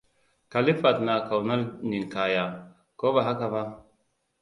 Khalifat na kaunar ninkaya, ko ba haka ba?